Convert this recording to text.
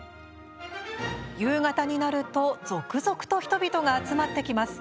夕方になると続々と人々が集まってきます。